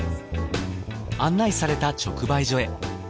案内された直売所へ。